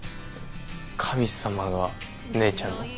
神様が姉ちゃんの。